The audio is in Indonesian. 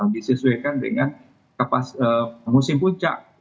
disesuaikan dengan musim puncak